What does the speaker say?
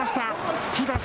突き出し。